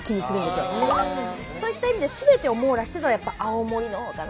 そういった意味ですべてを網羅してるのはやっぱ青森のほうかな。